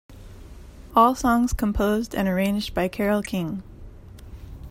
All songs composed and arranged by Carole King.